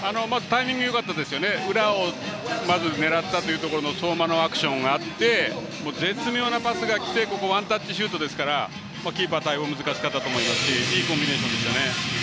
タイミングがよかったですよね、裏を狙ったというところの相馬のアクションがあって絶妙なパスがきてワンタッチシュートですからキーパー対応難しかったと思いますしいいコンビネーションでした。